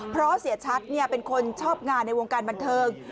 เพราะเสียชัดเป็นคนชอบงานในวงการบันเทิง